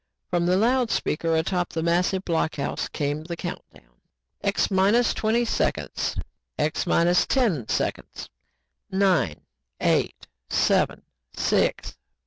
From the loud speaker atop the massive block house came the countdown. "X minus twenty seconds. X minus ten seconds. Nine ... eight ... seven ... six